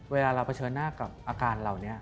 เวลาเราเผชิญหน้ากับอาการเหล่านี้